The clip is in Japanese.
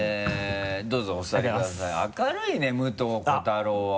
明るいね武藤瑚太郎は。